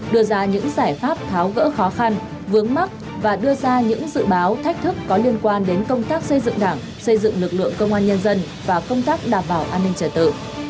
đưa ra những giải pháp tháo gỡ khó khăn vướng mắt và đưa ra những dự báo thách thức có liên quan đến công tác xây dựng đảng xây dựng lực lượng công an nhân dân và công tác đảm bảo an ninh trả tự